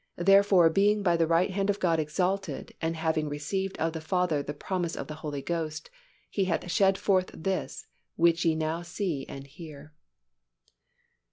Therefore being by the right hand of God exalted, and having received of the Father the promise of the Holy Ghost, He hath shed forth this, which ye now see and hear."